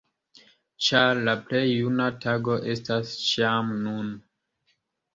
Ĉar "La plej juna tago estas ĉiam nun!